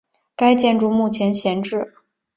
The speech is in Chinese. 该建筑目前闲置。